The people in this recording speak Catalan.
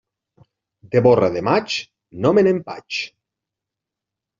De borra de maig, no me n'empatx.